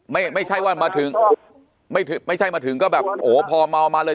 ไม่ใช่ว่ามาถึงไม่ถึงไม่ใช่มาถึงก็แบบโอ้โหพอเมามาเลย